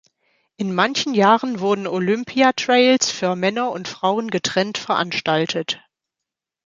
In manchen Jahren wurden Olympiatrials für Männer und Frauen getrennt veranstaltet.